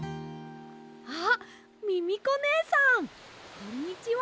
あっミミコねえさんこんにちは！